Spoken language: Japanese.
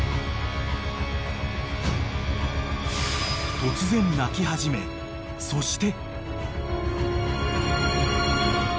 ・［突然鳴き始めそして］